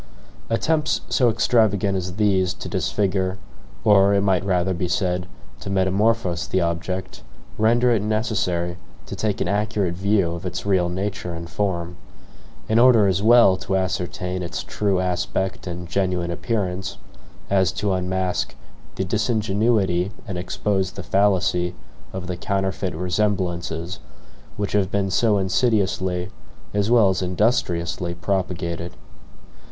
Attempts so extravagant as these to disfigure or, it might rather be said, to metamorphose the object, render it necessary to take an accurate view of its real nature and form: in order as well to ascertain its true aspect and genuine appearance, as to unmask the disingenuity and expose the fallacy of the counterfeit resemblances which have been so insidiously, as well as industriously, propagated.